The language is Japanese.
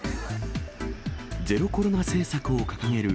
ゼロコロナ政策を掲げる